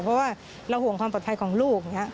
เพราะว่าเราห่วงความปลอดภัยของลูก